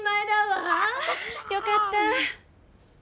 よかった！